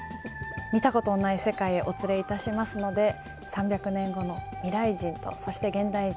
見たことのない世界へお連れいたしますので３００年後の未来人とそして現代人